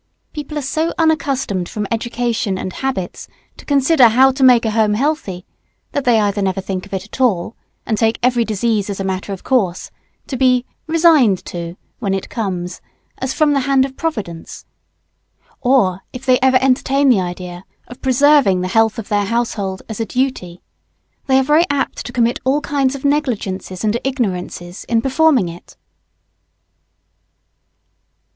People are so unaccustomed from education and habits to consider how to make a home healthy, that they either never think of it at all, and take every disease as a matter of course, to be "resigned to" when it comes "as from the hand of Providence;" or if they ever entertain the idea of preserving the health of their household as a duty, they are very apt to commit all kinds of "negligences and ignorances" in performing it.